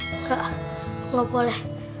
engga aku gak boleh